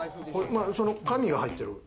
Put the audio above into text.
紙が入ってる。